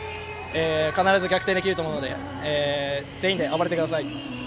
必ず逆転できると思うので全員で暴れてください。